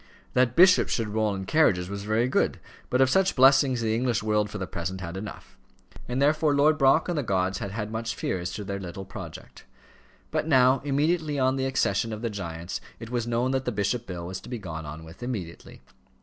That bishops should roll in carriages was very good; but of such blessings the English world for the present had enough. And therefore Lord Brock and the gods had had much fear as to their little project. But now, immediately on the accession of the giants, it was known that the bishop bill was to be gone on with immediately.